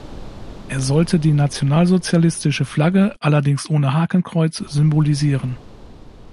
Er sollte die nationalsozialistische Flagge, allerdings ohne Hakenkreuz, symbolisieren.